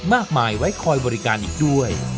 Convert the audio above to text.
มากมายไว้คอยบริการอีกด้วย